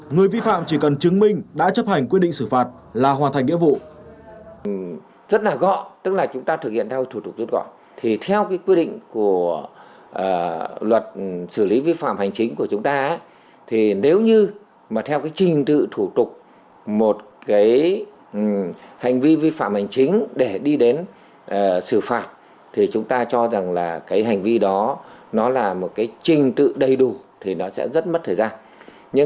người vi phạm chỉ cần chứng minh đã chấp hành quy định xử phạt là hoàn thành nghĩa vụ